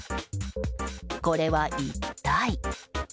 これは一体？